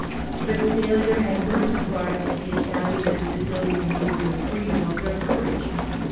But failure had not deprived the Italian and Sicilian wooers of freedom of their courage.